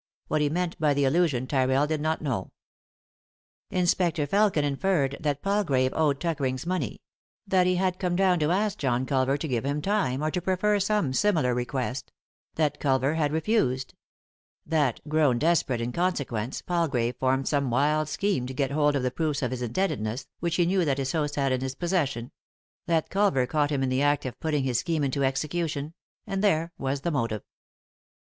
What he meant by the allusion Tyrrell did not know. Inspector Felkin inferred that Palgrave owed Tucker ings money ; that he had come down to ask John Cul ver to give him time, or to prefer some similar request ; 32 m.;: ..^Google THE INTERRUPTED KISS that Culver bad refused ; that, grown desperate in con sequence, Palgrave formed some wild scheme to get hold of the proofs of his indebtedness, which he knew that his host bad in his possession ; that Culver caught him in the act of putting his scheme into execution — and there was the motive.